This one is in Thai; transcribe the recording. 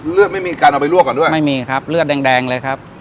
ไม่มีการเอาไปลวกก่อนด้วยไม่มีครับเลือดแดงเลยครับ